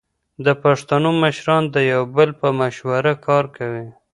د پښتنو مشران د یو بل په مشوره کار کوي.